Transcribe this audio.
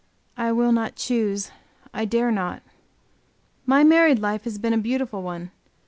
I will not choose, I dare not. My married life has been a beautiful one.